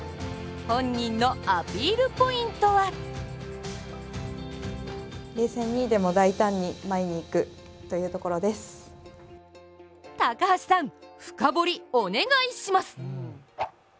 本人のアピールポイントは高橋さん、深掘り、お願いします！